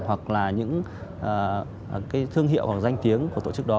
hoặc là những cái thương hiệu hoặc danh tiếng của tổ chức đó